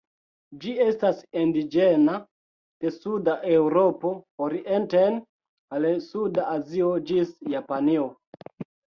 Ĝi estas indiĝena de suda Eŭropo orienten al suda Azio ĝis Japanio.